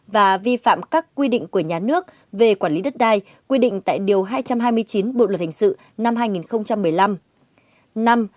và vi phạm các quy định của nhà nước về quản lý đất đai quy định tại điều hai trăm hai mươi chín bộ luật hình sự năm hai nghìn một mươi năm